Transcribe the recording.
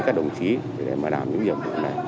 các đồng chí để mà làm những nhiệm vụ này